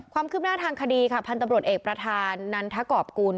ความคืบหน้าทางคดีค่ะพันธุ์ตำรวจเอกประธานนันทกรอบกุล